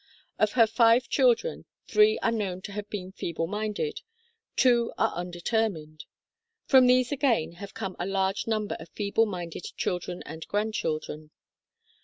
Of her five children, three are known to have been feeble minded, two are undetermined. From these again, have come a large number of feeble minded children and grandchildren.